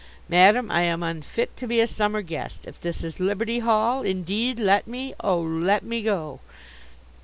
Madam, I am unfit to be a summer guest. If this is Liberty Hall indeed, let me, oh, let me go!"